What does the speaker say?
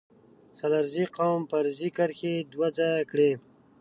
سلارزی قوم فرضي کرښې دوه ځايه کړي